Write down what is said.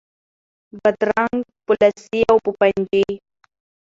بادرنګ په لسي او په پنجي